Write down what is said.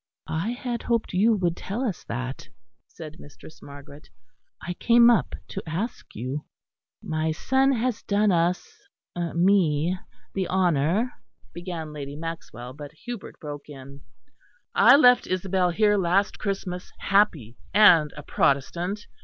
"I had hoped you would tell us that," said Mistress Margaret; "I came up to ask you." "My son has done us me the honour " began Lady Maxwell; but Hubert broke in: "I left Isabel here last Christmas happy and a Protestant.